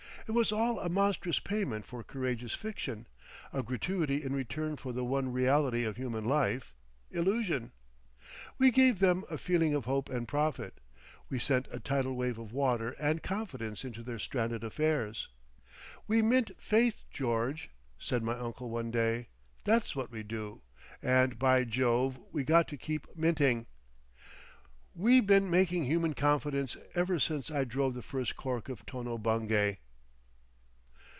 It was all a monstrous payment for courageous fiction, a gratuity in return for the one reality of human life—illusion. We gave them a feeling of hope and profit; we sent a tidal wave of water and confidence into their stranded affairs. "We mint Faith, George," said my uncle one day. "That's what we do. And by Jove we got to keep minting! We been making human confidence ever since I drove the first cork of Tono Bungay."